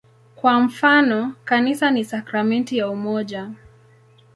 Kwa mfano, "Kanisa ni sakramenti ya umoja".